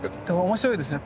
面白いですね。